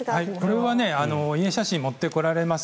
これは遺影写真をうちに持ってこられます。